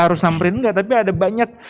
harus samperin enggak tapi ada banyak